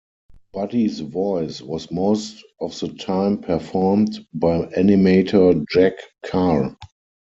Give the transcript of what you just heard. Buddy's voice was most of the time performed by animator Jack Carr.